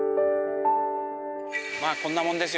まあこんなもんですよ